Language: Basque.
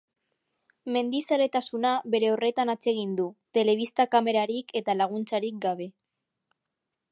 Mendizaletasuna bere horretan atsegin du, telebista kamerarik eta laguntzarik gabe.